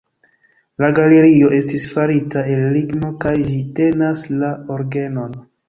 La galerio estis farita el ligno kaj ĝi tenas la orgenon.